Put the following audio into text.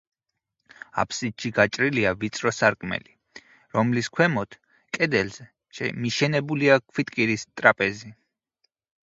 აფსიდში გაჭრილია ვიწრო სარკმელი, რომლის ქვემოთ, კედელზე, მიშენებულია ქვითკირის ტრაპეზი.